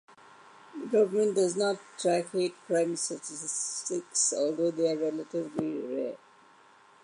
The government does not track hate crime statistics, although they are relatively rare.